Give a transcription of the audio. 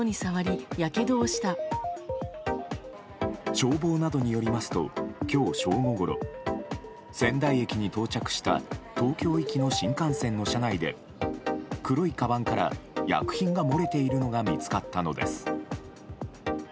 消防などによりますと今日正午ごろ仙台駅に到着した東京行きの新幹線の車内で黒いかばんから薬品が漏れているのが見つかったのです。